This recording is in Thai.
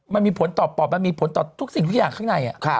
มันมีผลต่อปอดมันมีผลต่อทุกสิ่งทุกอย่างข้างใน